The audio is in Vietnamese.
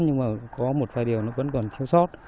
nhưng mà có một vài điều nó vẫn còn thiếu sót